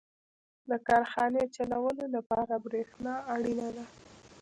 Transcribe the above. • د کارخانې چلولو لپاره برېښنا اړینه ده.